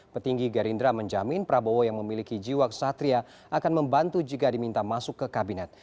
petinggi gerindra menjamin prabowo yang memiliki jiwa kesatria akan membantu jika diminta masuk ke kabinet